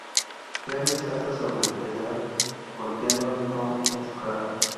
Jerry salta sobre el pedal golpeando a Tom en su cara.